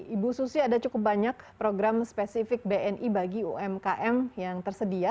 ibu susi ada cukup banyak program spesifik bni bagi umkm yang tersedia